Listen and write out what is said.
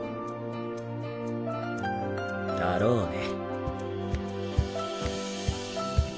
だろうね。